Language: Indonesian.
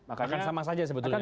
akan sama saja sebetulnya ya